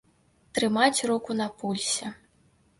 Трымаць руку на пульсе.